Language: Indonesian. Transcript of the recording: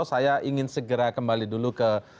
saya ingin segera kembali dulu ke